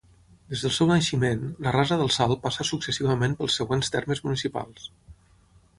Des del seu naixement, la Rasa del Salt passa successivament pels següents termes municipals.